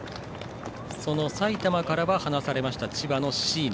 埼玉からは離されました千葉の椎野。